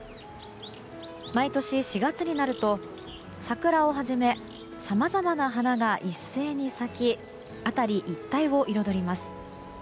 毎年４月になると桜をはじめさまざまな花が一斉に咲き辺り一帯を彩ります。